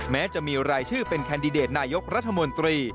แม้จะมีรายชื่อเป็นแคนดิเดตนายกรัฐมนตรี